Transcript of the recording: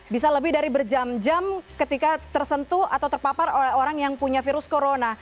bisa lebih dari berjam jam ketika tersentuh atau terpapar orang yang punya virus corona